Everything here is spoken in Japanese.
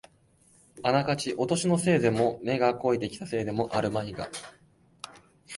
あながちお年のせいでも、目が肥えてきたせいでもあるまいが、